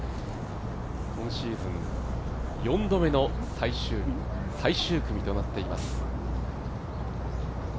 今シーズン４度目の最終日最終組となっています。